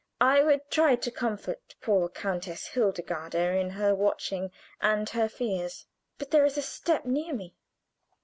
I would try to comfort poor Countess Hildegarde in her watching and her fears. But there is a step near me.